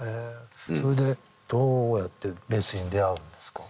それでどうやってベースに出会うんですか？